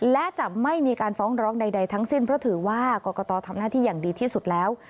และจะไม่มีการฟ้องร้องใดทั้งสิ้นเพราะถือว่ากรกตทำหน้าที่อย่างดีที่สุดแล้ว